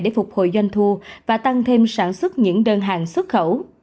để phục hồi doanh thu và tăng thêm sản xuất những đơn hàng xuất khẩu